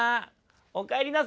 「おかえりなさい。